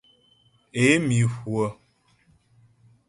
Ě mi hwə̂.